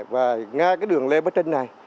và ngay cái đường lê bắc trinh này